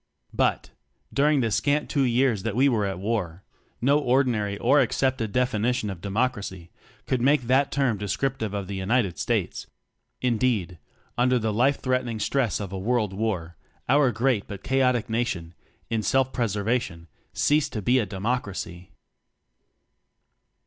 But, during the scant two years that we were at war, no ordinary or ac cepted definition of Democracy could make that term descriptive of the United States; indeed, under the life threatening stress of a World War, our great but chaotic nation in self preservation ceased to be a Democ racy!